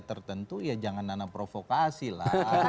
tertentu ya jangan nana provokasi lah